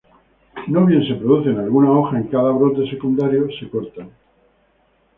No bien se producen algunas hojas en cada brote secundario, se corta.